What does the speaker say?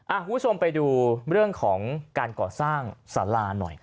คุณผู้ชมไปดูเรื่องของการก่อสร้างสาราหน่อย